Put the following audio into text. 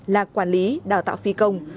là quản lý đào tạo phi công